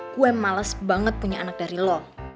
gue malas banget punya anak dari lo